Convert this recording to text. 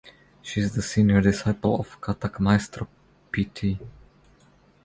She is the senior disciple of Kathak maestro Pt.